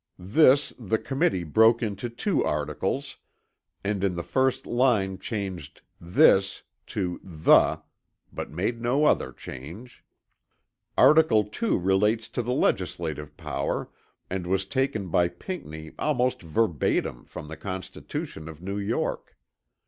This the Committee broke into two articles and in the first line changed "this" to "the" but made no other change. Article 2 relates to the legislative power and was taken by Pinckney almost verbatim from the constitution of New York.